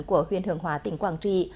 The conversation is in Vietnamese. của huyền hưởng hóa tỉnh quảng trì